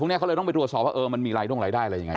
พรุ่งนี้เขาเลยต้องไปตรวจสอบว่ามันมีอะไรต้องรายได้อะไรอย่างไร